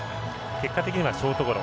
結果的にはショートゴロ。